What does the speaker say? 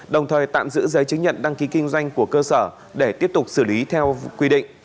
đồng thời tạm giữ giấy chứng nhận đăng ký kinh doanh của cơ sở để tiếp tục xử lý theo quy định